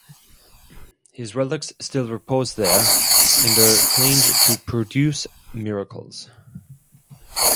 His relics still repose there and are claimed to produce miracles.